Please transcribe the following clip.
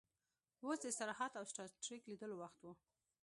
اوس د استراحت او سټار ټریک لیدلو وخت و